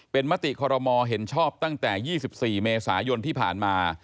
เป็นมติคอรมอเห็นชอบตั้งแต่๒๔เมษายนที่ผ่านมา